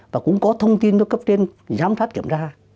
và cũng có thông tin cho cấp trên giám phát kiểm tra